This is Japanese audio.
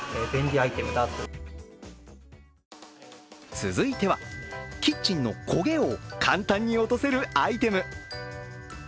続いてはキッチンのコゲを簡単に落とせるアイテム。